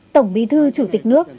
tổng bí thư chủ tịch nước